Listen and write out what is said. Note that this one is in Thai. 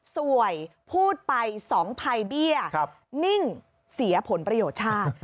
สวยพูดไป๒ภัยเบี้ยนิ่งเสียผลประโยชน์ชาติ